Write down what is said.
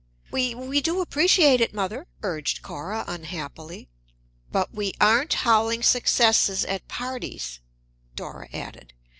"We we do appreciate it, mother," urged Cora, unhappily. "But we aren't howling successes at parties," Dora added.